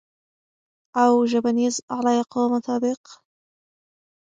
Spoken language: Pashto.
او ژبنیز علایقو مطابق